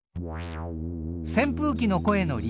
せんぷうきの声の理由